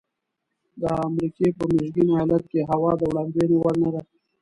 د امریکې په میشیګن ایالت کې هوا د وړاندوینې وړ نه ده.